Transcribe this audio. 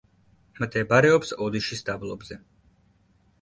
მდებარეობს ოდიშის დაბლობზე.